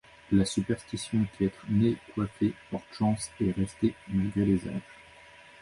La superstition qu’être né coiffé porte chance est restée malgré les âges.